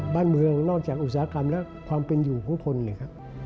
บ้านเมืองนอกจากอุตสาหกรรมและความเป็นอยู่ของคนเนี่ยครับ